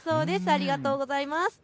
ありがとうございます。